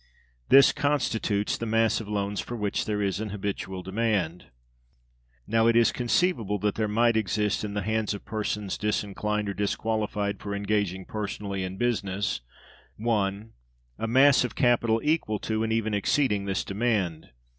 This constitutes the mass of loans for which there is an habitual demand. Now, it is conceivable that there might exist, in the hands of persons disinclined or disqualified for engaging personally in business, (1) a mass of capital equal to, and even exceeding, this demand.